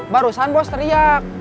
barusan bos teriak